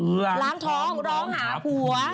ล้างท้องร้องหาผัว